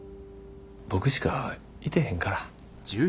僕しかいてへんから。